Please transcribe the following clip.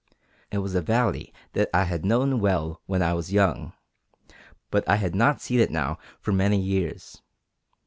It was a valley that I had known well when I was young, but I had not seen it now for many years.